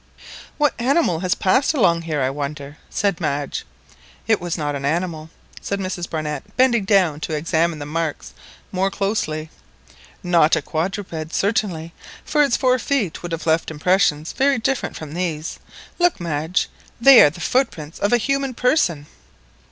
"What animal has passed along here, I wonder?" said Madge. "It was not an animal," said Mrs Barnett, bending down to examine the marks more closely, "not a quadruped certainly, for its four feet would have left impressions very different from these. Look, Madge, they are the footprints of a human person!"